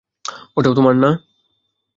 ওটাও তো তোমার না?